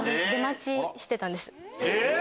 えっ